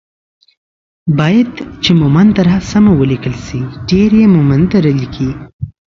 بايد چې مومند دره سمه وليکل شي ،ډير يي مومندره ليکي